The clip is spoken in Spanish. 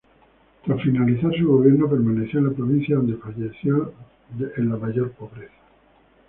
Tras finalizar su gobierno permaneció en la provincia, donde falleció en la mayor pobreza.